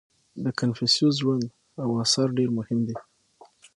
• د کنفوسیوس ژوند او آثار ډېر مهم دي.